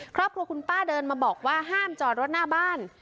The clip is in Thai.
ครอบครัวคุณป้าเดินมาบอกว่าห้ามจอดรถหน้าบ้าน